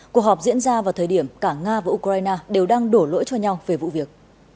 cuộc họp diễn ra vào thời điểm cả nga và ukraine đều đang đổ lỗi cho nhau về vụ việc